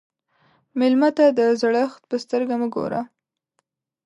مېلمه ته د زړښت په سترګه مه ګوره.